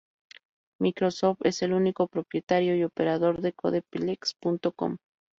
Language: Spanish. Microsoft es el único propietario y operador de CodePlex.com.